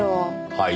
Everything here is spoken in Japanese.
はい。